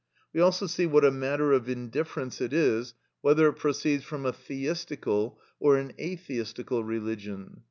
We also see what a matter of indifference it is whether it proceeds from a theistical or an atheistical religion.